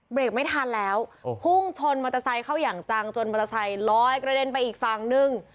ไม่ทันแล้วพุ่งชนมอเตอร์ไซค์เข้าอย่างจังจนมอเตอร์ไซค์ลอยกระเด็นไปอีกฝั่งนึง